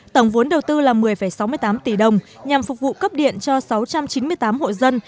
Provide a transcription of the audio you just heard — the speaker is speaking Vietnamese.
tổng vốn đầu tư là một mươi sáu mươi tám tỷ đồng nhằm phục vụ cấp điện cho sáu trăm chín mươi tám hộ dân